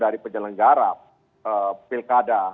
dari penyelenggara pilkada